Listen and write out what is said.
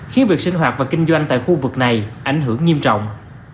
khiến việc sinh hoạt và kinh doanh tại khu vực này ảnh hưởng nghiêm trọng